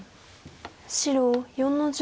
白４の十五。